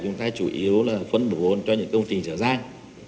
chúng ta chủ yếu là phân bổ vốn cho những công trình giả gian